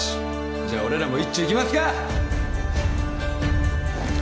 じゃあ俺らもいっちょいきますか！